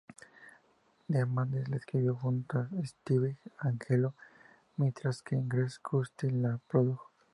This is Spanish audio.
Diamandis la escribió junto a Steve Angello, mientras que Greg Kurstin la produjo.